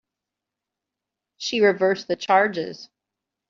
She reversed the charges.